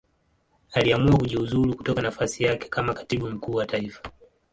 Aliamua kujiuzulu kutoka nafasi yake kama Katibu Mkuu wa Taifa.